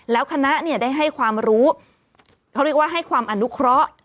แล้วคณะเนี่ยได้ให้ความรู้เขาเรียกว่าให้ความอนุเคราะห์